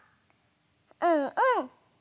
うんうん。